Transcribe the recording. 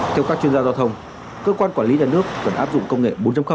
theo các chuyên gia giao thông cơ quan quản lý nhà nước cần áp dụng công nghệ bốn